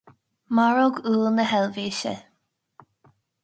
maróg úll na hEilvéise